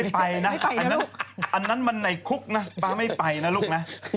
ไปไหนไม่ไปนะอันนั้นมันในคุกนะป้าไม่ไปนะลูกนะ